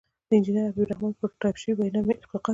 د انجنیر حبیب الرحمن پر ټایپ شوې وینا مې انتقاد وکړ.